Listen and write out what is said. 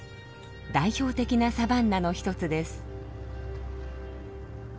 代表的なサバンナの一つです。